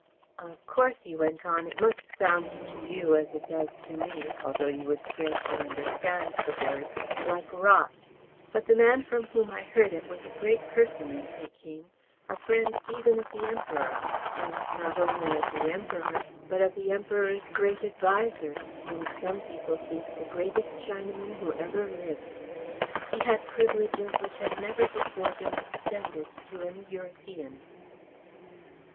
"Of course," he went on, "it must sound to you, as it does to me, although you would scarcely understand the word, like rot, but the man from whom I heard it was a great person in Pekin, a friend even of the Emperor, and not only of the Emperor, but of the Emperor's great adviser whom some people think the greatest Chinaman who ever lived. He had privileges which had never before been extended to any European."